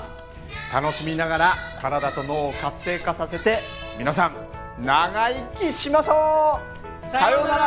楽しみながら体と脳を活性化させて皆さん長生きしましょう！さよなら！